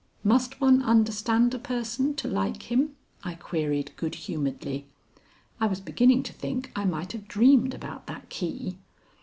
"Must one understand a person to like him?" I queried good humoredly. I was beginning to think I might have dreamed about that key.